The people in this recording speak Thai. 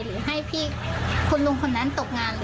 หรือให้พี่คุณลุงคนนั้นตกงาน